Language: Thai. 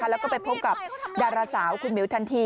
แล้วก็ไปพบกับดาราสาวคุณหมิวทันที